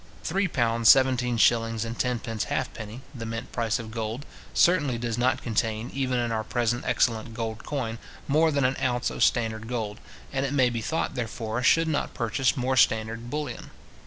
Three pounds seventeen shillings and tenpence halfpenny (the mint price of gold) certainly does not contain, even in our present excellent gold coin, more than an ounce of standard gold, and it may be thought, therefore, should not purchase more standard bullion.